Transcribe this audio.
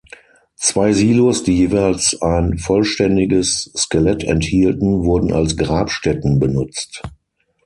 Zwei Silos, die jeweils ein vollständiges Skelett enthielten, wurden als Grabstätten benutzt.